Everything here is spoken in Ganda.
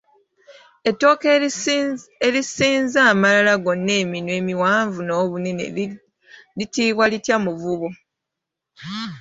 Ettooke erisinza amalala gonna eminwe emiwanvu n’obunene liitibwa litya muvubo.